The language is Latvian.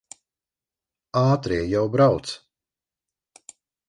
Ātrie jau brauc.